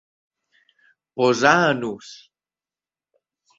Posar en ús.